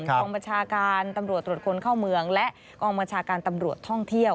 กองบัญชาการตำรวจตรวจคนเข้าเมืองและกองบัญชาการตำรวจท่องเที่ยว